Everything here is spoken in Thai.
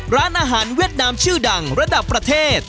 ร้านอาหารเวียดนามชื่อดังระดับประเทศ